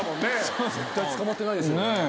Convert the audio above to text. ・絶対捕まってないですよね。